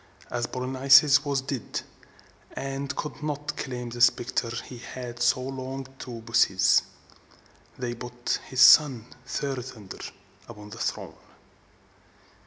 As Polynices was dead, and could not claim the scepter he had so longed to possess, they put his son Ther san´der upon the throne.